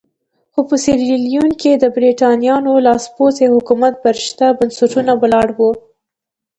خو په سیریلیون کې د برېټانویانو لاسپوڅی حکومت پر شته بنسټونو ولاړ وو.